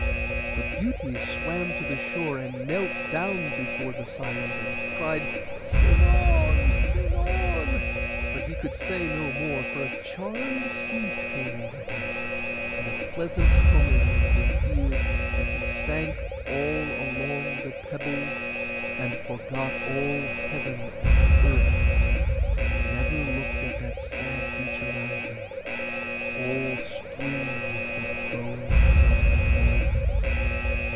But Butes swam to the shore, and knelt down before the Sirens, and cried, 'Sing on! sing on!' But he could say no more, for a charmed sleep came over him, and a pleasant humming in his ears; and he sank all along upon the pebbles, and forgot all heaven and earth, and never looked at that sad beach around him, all strewn with the bones of men.